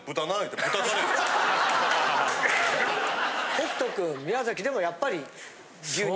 北人君宮崎でもやっぱり牛肉？